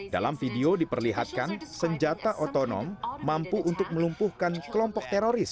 dalam video diperlihatkan senjata otonom mampu untuk melumpuhkan kelompok teroris